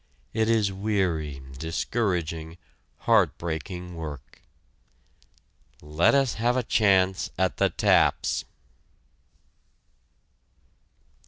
It is weary, discouraging, heart breaking work. Let us have a chance at the taps!